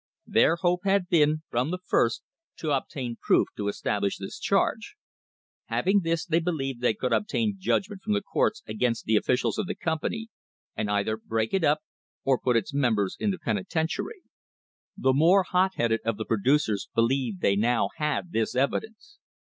Their hope had been, from the first, to obtain proof to establish this charge. Having this they be lieved they could obtain judgment from the courts against the officials of the company, and either break it up or put its members in the penitentiary. The more hotheaded of the producers believed that they now had this evidence.